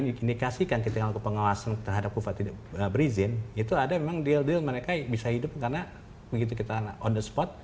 diindikasikan ketika untuk pengawasan terhadap upah tidak berizin itu ada memang deal deal mereka bisa hidup karena begitu kita on the spot